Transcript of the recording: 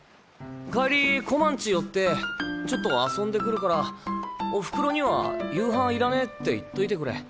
帰り駒ん家寄ってちょっと遊んでくるからお袋には夕飯いらねぇって言っといてくれ。